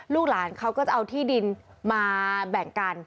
ลูกหลานเขาก็จะเอาที่ดินมาแบ่งกัน